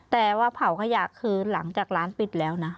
แต่ว่าเผาขยะคือหลังจากร้านปิดแล้วนะ